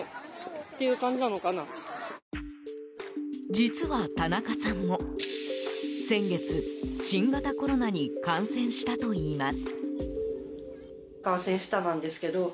実は田中さんも先月新型コロナに感染したといいます。